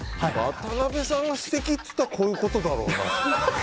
渡辺さんが素敵って言ったらこういうことだろうなって。